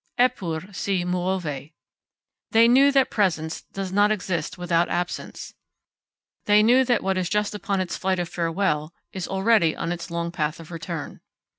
Eppur si muove. They knew that presence does not exist without absence; they knew that what is just upon its flight of farewell is already on its long path of return.